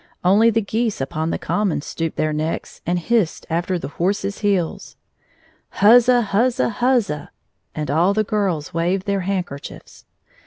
Only the geese upon the common stooped their necks and hissed after the horses' heels. " Huzza ! huzza ! huzza !" and all the girls waved their handkerchiefs.